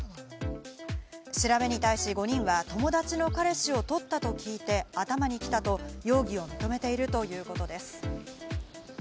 調べに対し、５人は友達の彼氏をとったと聞いて頭にきたと容疑を認めているということです。